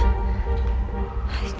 kok bisa ya